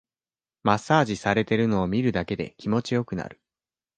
マッサージされてるのを見るだけで気持ちよくなる